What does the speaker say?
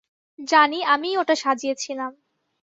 জানি, আমিই ওটা সাজিয়েছিলাম।